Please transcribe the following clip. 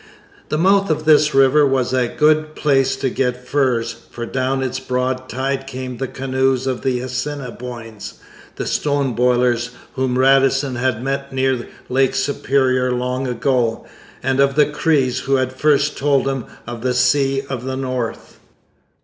The mouth of this river was a good place to get furs, for down its broad tide came the canoes of the Assiniboines, the 'Stone Boilers' whom Radisson had met near Lake Superior long ago, and of the Crees, who had first told him of the Sea of the North.